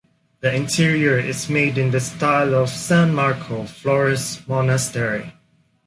The interior is made in the style of San Marco, Florence monastery.